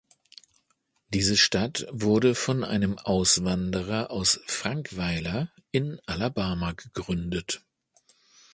Diese Stadt wurde von einem Auswanderer aus Frankweiler in Alabama gegründet.